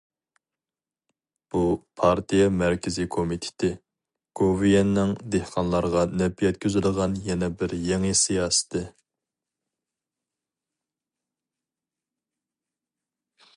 بۇ پارتىيە مەركىزىي كومىتېتى، گوۋۇيۈەننىڭ دېھقانلارغا نەپ يەتكۈزىدىغان يەنە بىر يېڭى سىياسىتى.